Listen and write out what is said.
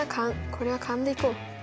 これは勘でいこう。